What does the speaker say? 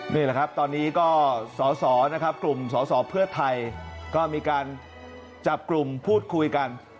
นี่แหละครับตอนนี้ก็สอสอนะครับกลุ่มสอสอเพื่อไทยก็มีการจับกลุ่มพูดคุยกัน